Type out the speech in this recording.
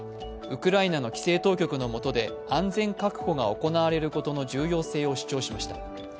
ウクライナの規制当局のもとで安全確保が行われることの重要性を主張しました。